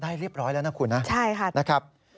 ได้เรียบร้อยแล้วนะครับคุณฮะนะครับนะครับใช่ครับ